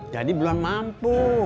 jadi belum mampu